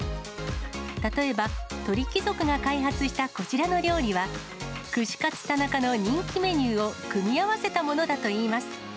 例えば、鳥貴族が開発したこちらの料理は、串カツ田中の人気メニューを組み合わせたものだといいます。